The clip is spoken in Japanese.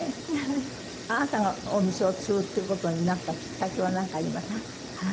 あなたがお店を継ぐっていう事になったきっかけはなんかありましたか？